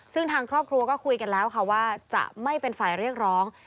ซึ่งทางครอบครัวก็คุยกันแล้วค่ะว่าจะไม่เป็นฝ่ายเรียกร้อง